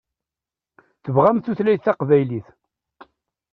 Tebɣam tutlayt taqbaylit.